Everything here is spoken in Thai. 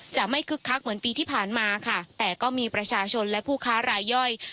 จะไม่คึกคักเหมือนปีที่ผ่านมาค่ะแต่ก็มีประชาชนและผู้ค้ารายย่อย